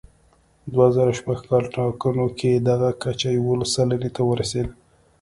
دوه زره شپږ کال ټاکنو کې دغه کچه یوولس سلنې ته ورسېده.